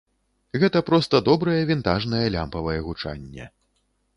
Гэта проста добрае вінтажнае лямпавае гучанне.